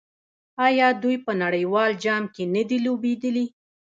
آیا دوی په نړیوال جام کې نه دي لوبېدلي؟